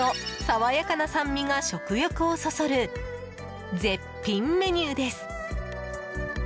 爽やかな酸味が食欲をそそる絶品メニューです。